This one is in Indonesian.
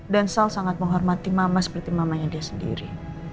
dan soal sangat menghormati mama seperti mamanya dia sendiri